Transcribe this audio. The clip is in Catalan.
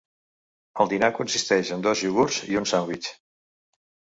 El dinar consisteix en dos iogurts i un sandvitx.